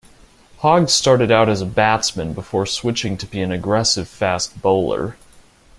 Hogg started out as a batsman before switching to be an aggressive fast bowler.